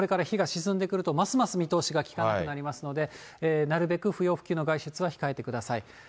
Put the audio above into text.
日が沈んでくると、ますます見通しが利かなくなりますので、なるべく不要不急の外出は控えてください。